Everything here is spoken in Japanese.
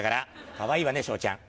かわいいわね昇ちゃん。